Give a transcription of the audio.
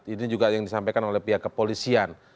ini juga yang disampaikan oleh pihak kepolisian